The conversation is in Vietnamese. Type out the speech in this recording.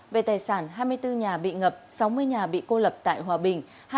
về tài sản hai mươi bốn nhà bị ngập sáu mươi nhà bị cô lập tại hòa bình